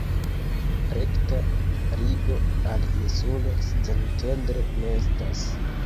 Rekta ligo al insulo Szentendre ne estas.